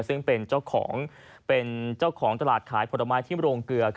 ซึ่งเป็นเจ้าของตลาดขายผลไม้ที่รงเกลือ